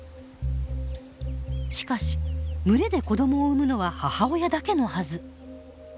しかし群れで子どもを産むのは母親だけのはず。